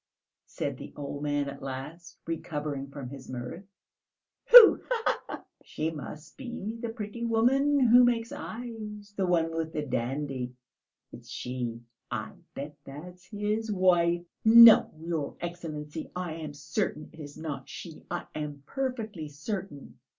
said the old man at last, recovering from his mirth. "Who? Ha ha ha." "She must be the pretty woman who makes eyes, the one with the dandy. It's she, I bet that's his wife!" "No, your Excellency, I am certain it is not she; I am perfectly certain."